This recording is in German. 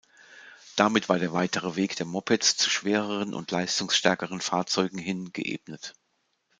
Damit war der weitere Weg der Mopeds zu schwereren und leistungsstärkeren Fahrzeugen hin geebnet.